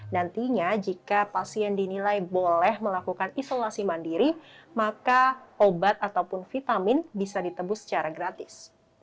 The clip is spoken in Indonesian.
nantinya jika pasien dinilai boleh melakukan isolasi mandiri maka obat ataupun vitamin bisa ditebus secara gratis